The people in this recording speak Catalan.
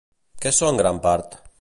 Què són gran part?